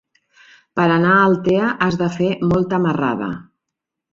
Per anar a Altea has de fer molta marrada.